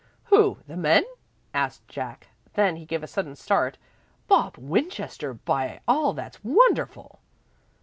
"Who the men?" asked Jack. Then he gave a sudden start. "Bob Winchester, by all that's wonderful!"